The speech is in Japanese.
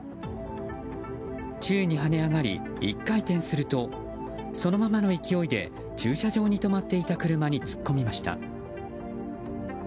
宙に跳ね上がり１回転すると、そのままの勢いで駐車場に止まっていた車に突っ込みました。